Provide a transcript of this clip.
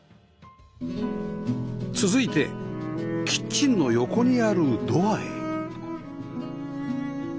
続いてキッチンの横にあるドアへ